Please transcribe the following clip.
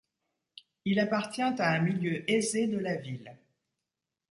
Il appartient à un milieu aisé de la ville.